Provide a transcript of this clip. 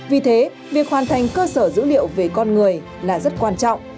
vì thế việc hoàn thành cơ sở dữ liệu về con người là rất quan trọng